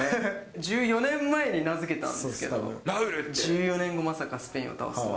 １４年前に名付けたんですけど、１４年後、まさかスペインを倒すとは。